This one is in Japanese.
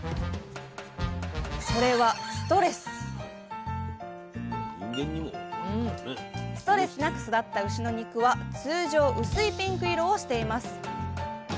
それはストレスなく育った牛の肉は通常薄いピンク色をしています。